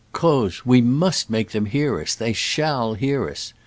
"Croz, we must make them hear us — they shall hear us